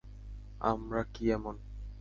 আমরা কি এমন?